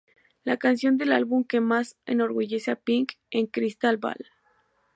La canción del álbum que más enorgullece a Pink en "Crystal Ball".